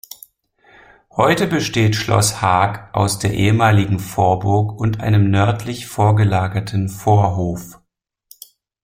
Heute besteht Schloss Haag aus der ehemaligen Vorburg und einem nördlich vorgelagerten "Vorhof".